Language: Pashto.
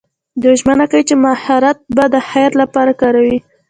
دوی ژمنه کوي چې مهارت به د خیر لپاره کاروي.